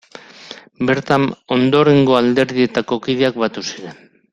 Bertan ondorengo alderdietako kideak batu ziren.